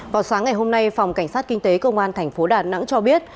vào sáng ngày hôm nay phòng cảnh sát kinh tế công an tp đà nẵng cho biết